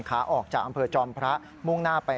ขาออกจากอำเภอจอมพระมุ่งหน้าไป